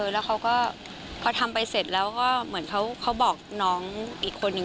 แล้วเขาก็พอทำไปเสร็จแล้วก็เหมือนเขาบอกน้องอีกคนนึง